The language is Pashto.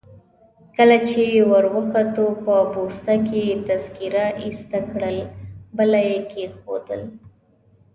کله چي وروختو په پوسته کي يې تذکیره ایسته کړل، بله يي کښېښول.